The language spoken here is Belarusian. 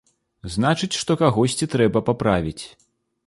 Значыць, што кагосьці трэба паправіць.